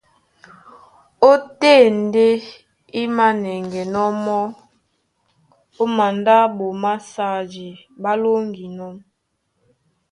Ótên ndé í mānɛŋgɛnɔ́ mɔ́ ó mandáɓo másadi ɓá lóŋginɔ́.